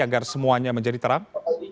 agar semuanya menjadi terang